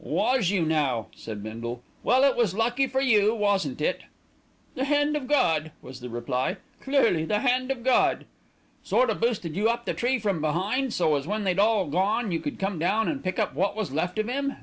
"Was you now?" said Bindle. "Well, it was lucky for you, wasn't it?" "The hand of God," was the reply; "clearly the hand of God." "Sort o' boosted you up the tree from behind, so as when they'd all gone you could come down and pick up wot was left of 'im.